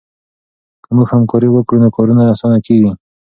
که موږ همکاري وکړو نو کارونه اسانه کېږي.